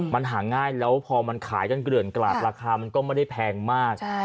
มันหาง่ายแล้วพอมันขายกันเกลื่อนกลาดราคามันก็ไม่ได้แพงมาก